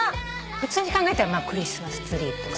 普通に考えたらクリスマスツリーとか。